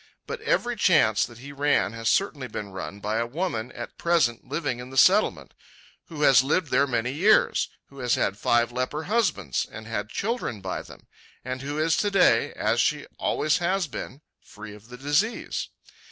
But every chance that he ran has certainly been run by a woman at present living in the Settlement; who has lived there many years; who has had five leper husbands, and had children by them; and who is to day, as she always has been, free of the disease.